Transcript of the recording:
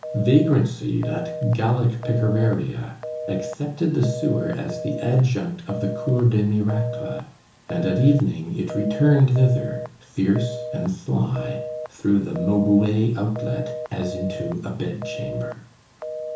Vagrancy, that Gallic picareria, accepted the sewer as the adjunct of the Cour des Miracles, and at evening, it returned thither, fierce and sly, through the Maubuée outlet, as into a bed chamber.